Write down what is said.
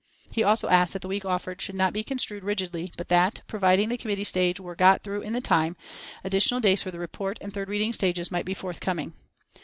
He also asked that the week offered should not be construed rigidly but that, providing the committee stage were got through in the time, additional days for the report and third reading stages might be forthcoming.